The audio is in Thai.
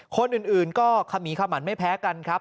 กรุงเทพฯมหานครทำไปแล้วนะครับ